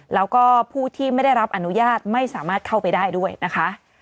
แล้วก็ผู้ที่ไม่ได้รับอนุญาตไม่สามารถเข้าไปได้ด้วยนะคะ